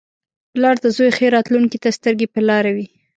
• پلار د زوی ښې راتلونکې ته سترګې په لاره وي.